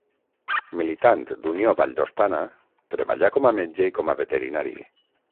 Militant d'Unió Valldostana, treballà com a metge i com a veterinari.